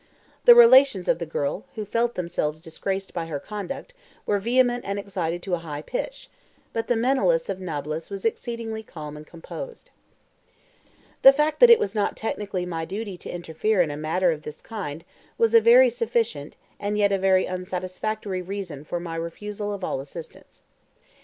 The relations of the girl, who felt themselves disgraced by her conduct, were vehement and excited to a high pitch, but the Menelaus of Nablus was exceedingly calm and composed. The fact that it was not technically my duty to interfere in a matter of this kind was a very sufficient, and yet a very unsatisfactory, reason for my refusal of all assistance.